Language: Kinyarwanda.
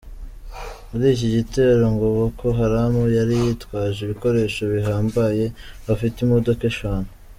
Muri iki gitero ngo Boko Haram yari yitwaje ibikoresho bihambaye , bafite imodoka eshanu.